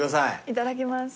いただきます。